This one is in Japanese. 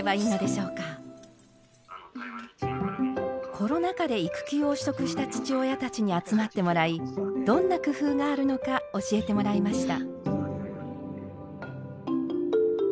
コロナ禍で育休を取得した父親たちに集まってもらいどんな工夫があるのか教えてもらいました。